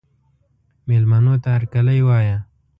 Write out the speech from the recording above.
مېلمنو ته هرکلی وایه.